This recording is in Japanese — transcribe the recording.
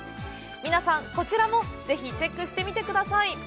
皆さん、こちらもぜひチェックしてみてください。